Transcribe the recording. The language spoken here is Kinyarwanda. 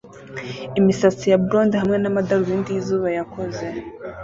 imisatsi ya blond hamwe n'amadarubindi y'izuba yakoze